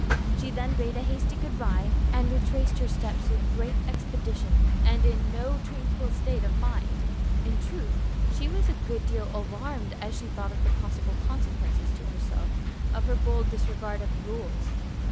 She then bade a hasty good by and retraced her steps with great expedition and in no tranquil state of mind. In truth, she was a good deal alarmed as she thought of the possible consequences to herself of her bold disregard of rules.